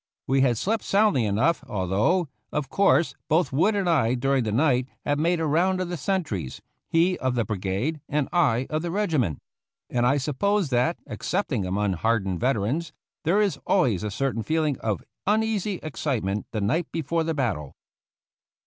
We had slept soundly enough, although, of course, both Wood and I during the night had made a round of the sentries, he of the brigade, and I of the regiment ; and I suppose that, ex cepting among hardened veterans, there is always a certain feeling of uneasy excitement the night before the battle.